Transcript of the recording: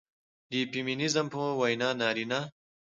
د فيمينزم په وينا نارينه